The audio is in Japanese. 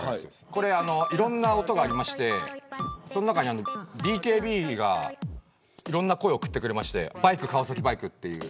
これ、いろんな音がありましてその中にＢＫＢがいろんな声を送ってくれましてバイク川崎バイクという。